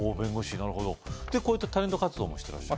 なるほどこういったタレント活動もしてらっしゃる？